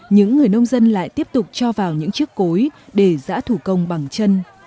những người nông dân lại tiếp tục cho vào những chiếc cối để giã thủ công bằng chân